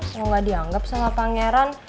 lo gak dianggap sama pangeran